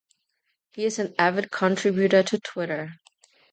He is an avid contributor to Twitter.